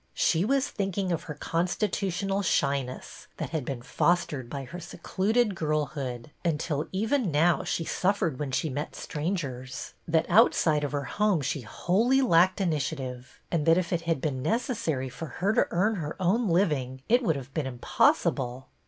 She was thinking of her constitutional shyness, that had been fos tered by her secluded girlhood, until even now she suffered when she met strangers; that out side of her own home she wholly lacked initiative ; IN TIGHT PAPERS'' 15 and that if it had been necessary for her to earn her own living it would have been impossible.